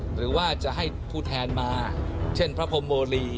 หรือว่าจะให้ผู้แทนมาเช่นพระพรมโมลี